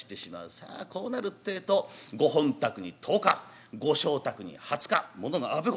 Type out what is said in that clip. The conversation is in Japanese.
さあこうなるってえとご本宅に１０日ご妾宅に２０日ものがあべこべになってくる。